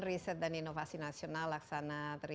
riset dan inovasi nasional laksanasi dan kepala badan